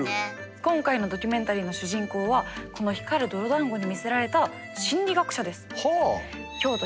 今回のドキュメンタリーの主人公はこの光る泥だんごに魅せられた心理学者です。